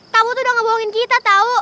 kamu tuh udah ngebohongin kita tau